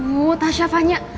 aduh tasya fanya